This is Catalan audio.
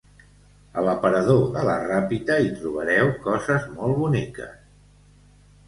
A l'aparador de la Ràpita hi trobareu coses molt boniques